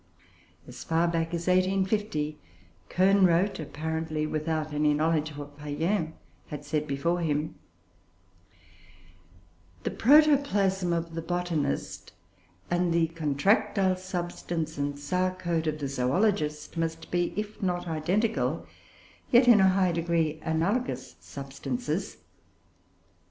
As far back as 1850, Cohn wrote, apparently without any knowledge of what Payen had said before him: "The protoplasm of the botanist, and the contractile substance and sarcode of the zoologist, must be, if not identical, yet in a high degree analogous substances.